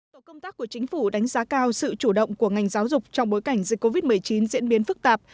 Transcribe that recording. tổ công tác của chính phủ đánh giá cao sự chủ động của ngành giáo dục trong bối cảnh dịch covid một mươi chín diễn biến phức tạp